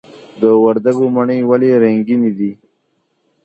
د وردګو مڼې ولې رنګینې دي؟